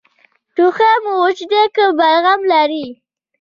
ټوخی مو وچ دی که بلغم لري؟